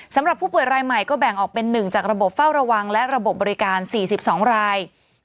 สำหรับผู้ป่วยรายใหม่ก็แบ่งออกเป็น๑จากระบบเฝ้าระวังและระบบบบริการ๔๒ราย